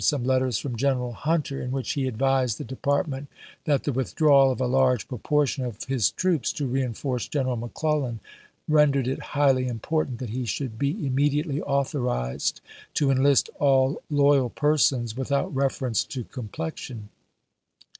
The Secretary of War presented some letters from General Hunter in which he advised the De partment that the withdrawal of a large proportion of his troops to reenforce General McClellan rendered it highly important that he should be immediately authorized to enlist all loyal persons, without reference to complexion.